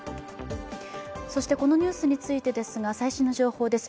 そして、このニュースについてですが、最新の情報です。